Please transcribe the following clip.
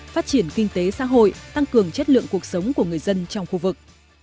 phát triển kinh tế xã hội tăng cường chất lượng cuộc sống của người dân trong khu vực